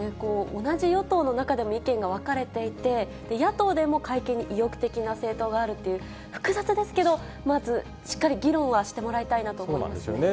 同じ与党の中でも意見が分かれていて、野党でも改憲に意欲的な政党があるっていう、複雑ですけど、まずしっかり議論はしてもらいたいなと思いますね。